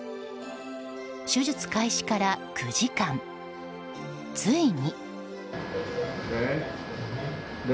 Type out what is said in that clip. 手術開始から９時間、ついに。